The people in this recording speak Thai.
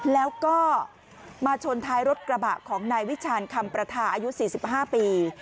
แล้วก็มาชนท้ายรถกระบะของนายวิชาณคำประทาอายุ๔๕ปี